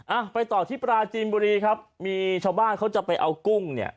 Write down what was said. อ่ะไปต่อที่ปราจีนบุรีครับมีชาวบ้านเขาจะไปเอากุ้งเนี่ย